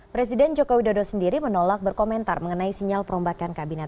presiden joko widodo sendiri menolak berkomentar mengenai sinyal perombakan kabinet